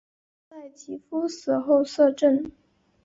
曾在其夫死后摄政。